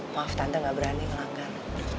maaf tante gak berani melanggar